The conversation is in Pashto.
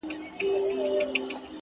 خدای چي و کور ته يو عجيبه منظره راوړې!